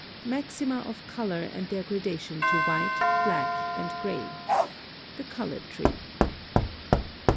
Maxima of color and their gradation to white, black, and gray. _The Color Tree.